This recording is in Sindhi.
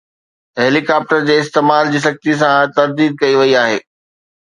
هيلي ڪاپٽر جي استعمال جي سختي سان ترديد ڪئي وئي آهي